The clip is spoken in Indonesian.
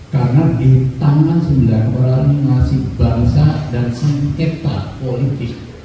karena di tangan sembilan orang ini masih bangsa dan sengketa politik